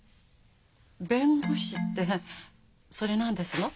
「弁護士」ってそれ何ですの？